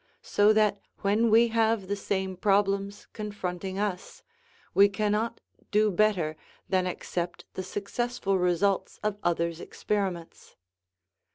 So that when we have the same problems confronting us, we cannot do better than accept the successful results of others' experiments.